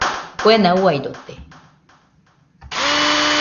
Kuena uaidote.